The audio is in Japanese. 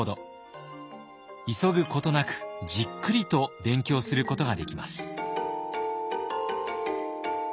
急ぐことなくじっくりと勉強することができます。